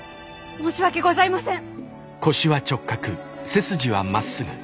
申し訳ございません！